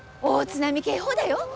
大津波警報だよ！